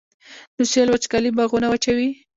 د سویل وچکالي باغونه وچوي